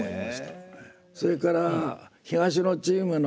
それから東のチームの８点。